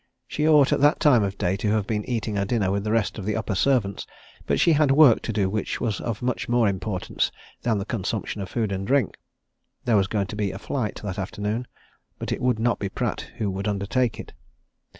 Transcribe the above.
She ought at that time of day to have been eating her dinner with the rest of the upper servants, but she had work to do which was of much more importance than the consumption of food and drink. There was going to be a flight that afternoon but it would not be Pratt who would undertake it.